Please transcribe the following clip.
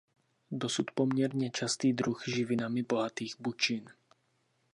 Dosud poměrně častý druh živinami bohatých bučin.